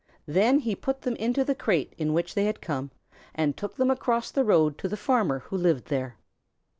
Then he put them into the crate in which they had come, and took them across the road to the Farmer who lived there.